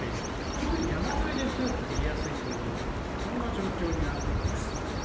特に山沿いで強く降りやすいという状況になっています。